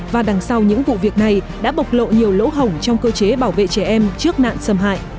và đằng sau những vụ việc này đã bộc lộ nhiều lỗ hổng trong cơ chế bảo vệ trẻ em trước nạn xâm hại